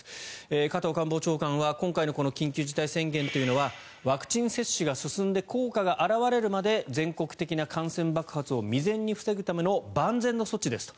加藤官房長官は、今回のこの緊急事態宣言というのはワクチン接種が進んで効果が表れるまで全国的な感染爆発を未然に防ぐための万全の措置ですと。